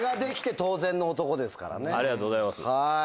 ありがとうございます。